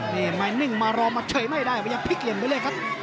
นี่มายนึ่งมารอมาเฉยไม่ได้ออกไปยังพลิกเหยียมไปเลยครับ